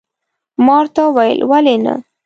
ما ورته وویل، ولې نه.